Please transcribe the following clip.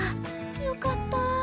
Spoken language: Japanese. よかったぁ。